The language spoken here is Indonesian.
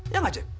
ya nggak cik